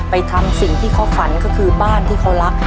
ทำสิ่งที่เขาฝันก็คือบ้านที่เขารัก